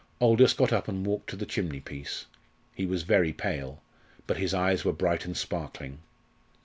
Aldous got up and walked to the chimney piece. He was very pale, but his eyes were bright and sparkling.